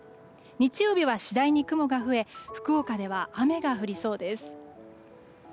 日曜日は次第に雲が増え福岡では雨が降りそうです。